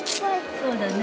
そうだね。